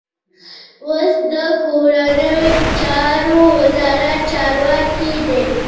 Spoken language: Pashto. اوس د کورنیو چارو وزارت چارواکی دی.